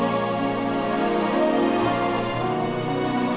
aku mau makan